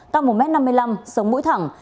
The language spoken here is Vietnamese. căng một m năm mươi năm sống mũi thẳng